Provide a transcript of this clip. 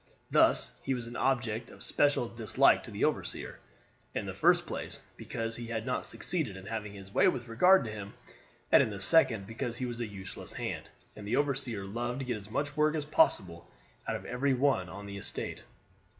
Thus he was an object of special dislike to the overseer; in the first place because he had not succeeded in having his way with regard to him, and in the second because he was a useless hand, and the overseer loved to get as much work as possible out of every one on the estate.